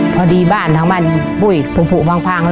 พอดีทางบ้านอู่ยพุมพัง